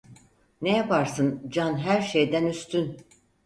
Ne yaparsın, can her şeyden üstün.